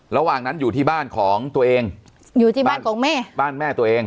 ระหว่างนั้นอยู่ที่บ้านของตัวเองอยู่ที่บ้านของแม่บ้านแม่ตัวเอง